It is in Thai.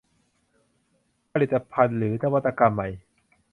ผลิตภัณฑ์หรือนวัตกรรมใหม่